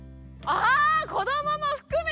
あ子どもも含めて。